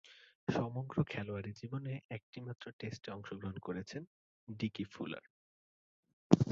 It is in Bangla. সমগ্র খেলোয়াড়ী জীবনে একটিমাত্র টেস্টে অংশগ্রহণ করেছেন ডিকি ফুলার।